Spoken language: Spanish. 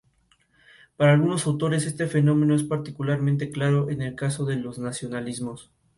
Actualmente compite por el equipo Team Sunweb.